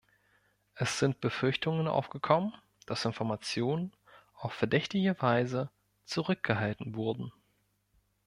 Es sind Befürchtungen aufgekommen, dass Informationen auf verdächtige Weise zurückgehalten wurden.